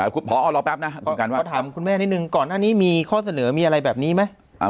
พอรอแป๊บนะขอถามคุณแม่นิดนึงก่อนหน้านี้มีข้อเสนอมีอะไรแบบนี้ไหม